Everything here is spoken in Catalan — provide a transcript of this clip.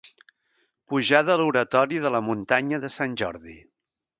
Pujada a l'oratori de la muntanya de Sant Jordi.